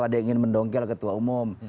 ada yang ingin mendongkel ketua umum